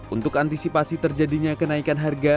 untuk antisipasi terjadinya kenaikan harga